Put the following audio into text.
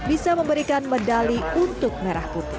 bisa memberikan medali untuk merah putih